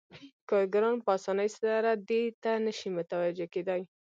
کارګران په اسانۍ سره دې ته نشي متوجه کېدای